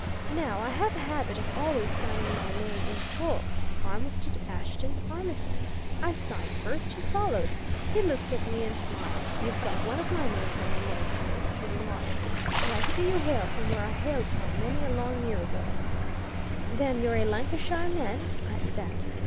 Now, I have a habit of always signing my name in full, Armitstead Ashton Armitstead. I signed first; he followed. He looked at me and smiled. 'You've got one of my names, anyway, sir,' he remarked. 'And I see you hail from where I hailed from, many a long year ago.' 'Then you're a Lancashire man?' I said.